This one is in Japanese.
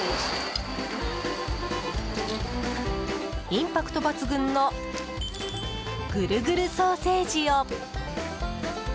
インパクト抜群のぐるぐるソーセージを。